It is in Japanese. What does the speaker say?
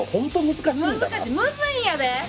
難しいむずいんやで！